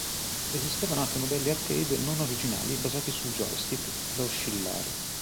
Esistevano anche modelli arcade non originali basati sul joystick, da oscillare.